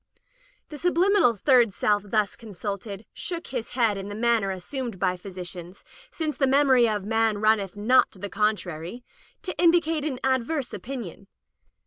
The subliminal third self thus con sulted, shook his head in the manner as sumed by physicians, since the memory of man runneth not to the contrary, to indicate an adverse opinion.